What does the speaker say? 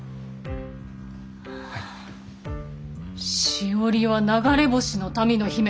しおりは流れ星の民の姫。